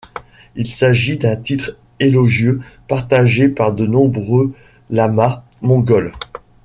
Il s'agit d'un titre élogieux partagé par de nombreux lamas mongols.